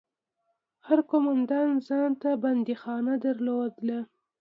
هر قومندان ځان ته بنديخانه درلوده.